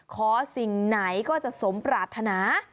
สิ่งไหนก็จะสมปรารถนา